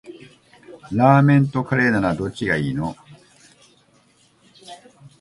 ラーメンとカレーならどっちがいいの？